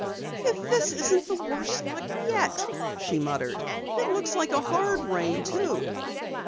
"If this isn't the worst luck yet!" she muttered. "It looks like a hard rain too."